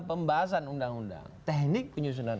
pembahasan undang undang teknik penyusunan